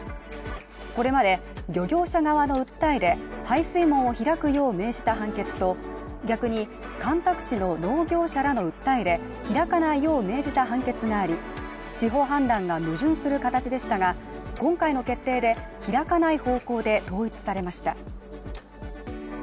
これまで漁業者側の訴えで排水門を開くよう命じた判決と逆に干拓地の農業者らの訴えで開かないよう命じた判決があり司法判断が矛盾する形でしたが今回の決定で開かない方向で統一されました。